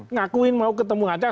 ngakuin mau ketemu aja